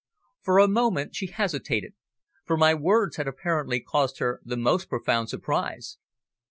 For a moment she hesitated, for my words had apparently caused her the most profound surprise.